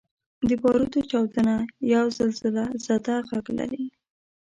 • د باروتو چاودنه یو زلزلهزده ږغ لري.